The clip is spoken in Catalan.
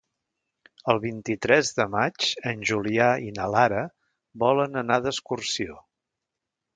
El vint-i-tres de maig en Julià i na Lara volen anar d'excursió.